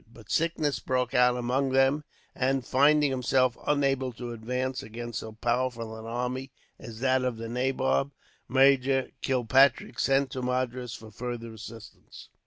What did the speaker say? But sickness broke out among them and, finding himself unable to advance against so powerful an army as that of the nabob, Major Kilpatrick sent to Madras for further assistance.